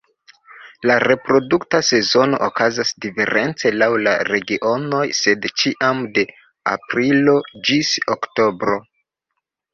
La reprodukta sezono okazas diference laŭ la regionoj, sed ĉiam de aprilo ĝis oktobro.